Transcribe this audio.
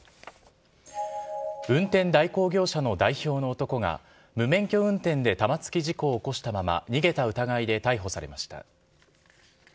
運転代行業者の代表の男が、無免許運転で玉突き事故を起こしたまま、逃げた疑いで逮捕されました。